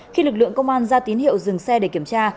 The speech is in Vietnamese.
khi lực lượng công an ra tín hiệu dừng xe để kiểm tra